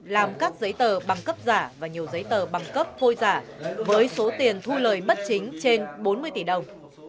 làm các giấy tờ bằng cấp giả và nhiều giấy tờ bằng cấp phôi giả với số tiền thu lời bất chính trên bốn mươi tỷ đồng